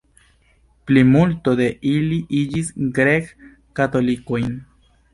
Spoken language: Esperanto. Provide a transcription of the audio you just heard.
Plimulto de ili iĝis grek-katolikojn.